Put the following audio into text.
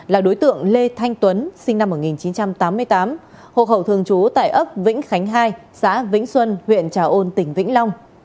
là đối tượng lê thanh tuấn sinh năm một nghìn chín trăm tám mươi tám hộ khẩu thường trú tại ấp vĩnh khánh hai xã vĩnh xuân huyện trà ôn tỉnh vĩnh long